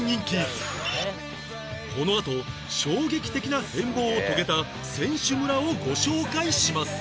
このあと衝撃的な変貌を遂げた選手村をご紹介します